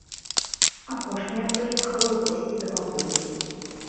Апошняя прыехала ў госці да бабулі.